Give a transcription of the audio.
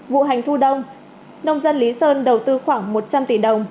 vụ hành thu đông nông dân lý sơn đầu tư khoảng một trăm linh tỷ đồng